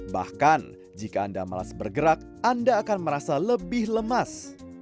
bahkan jika anda malas bergerak anda akan merasa lebih lemas